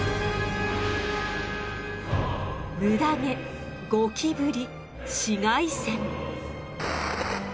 ムダ毛ゴキブリ紫外線。